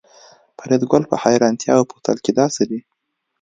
فریدګل په حیرانتیا وپوښتل چې دا څه دي